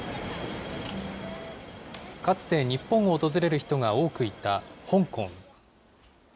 かつて日本を訪れる人が多くいた香港。